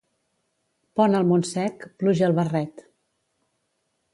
Pont al Montsec, pluja al barret.